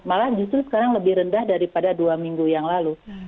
malah justru sekarang lebih rendah daripada dua minggu yang lalu